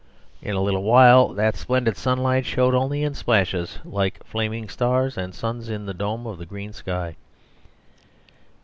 In a little while that splendid sunlight showed only in splashes, like flaming stars and suns in the dome of green sky.